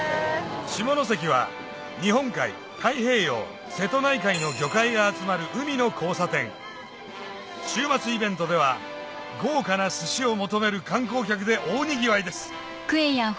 下関は日本海太平洋瀬戸内海の魚介が集まる海の交差点週末イベントでは豪華な寿司を求める観光客で大にぎわいです